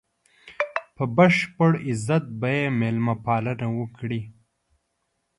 په بشپړ عزت به یې مېلمه پالنه وکړي.